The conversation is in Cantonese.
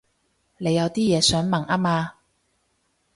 你有啲嘢想問吖嘛